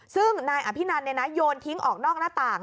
ซึ่งนายอภินันโยนทิ้งออกนอกหน้าต่าง